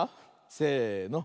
せの。